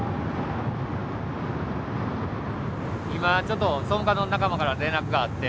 今ちょっと総務課の仲間から連絡があって。